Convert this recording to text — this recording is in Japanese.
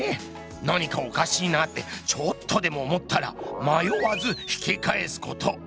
「何かおかしいな」ってちょっとでも思ったら迷わず引き返すこと！